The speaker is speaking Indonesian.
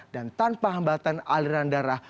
dan tanpa hambatan aliran darah